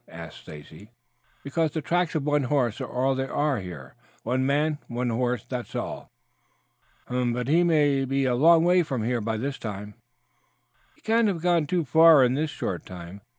asked Stacy. "Because the tracks of one horse are all there are here. One man and one horse, that's all." "Hm m m! But he may be a long way from here by this time." "He cannot have gone far in this short time.